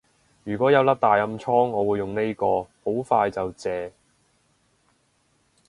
如果有粒大暗瘡我會用呢個，好快就謝